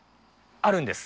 あるんです。